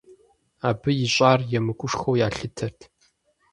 Абы ищӀар емыкӀушхуэу ялъытат.